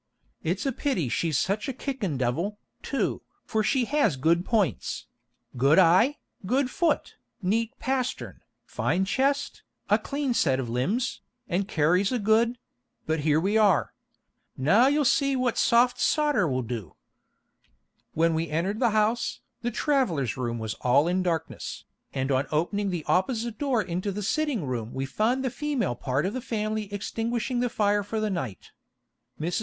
It's a pity she's such a kickin' devil, too, for she has good points, good eye, good foot, neat pastern, fine chest, a clean set of limbs, and carries a good But here we are. Now you'll see what 'soft sawder' will do." When we entered the house, the travelers' room was all in darkness, and on opening the opposite door into the sitting room we found the female part of the family extinguishing the fire for the night. Mrs.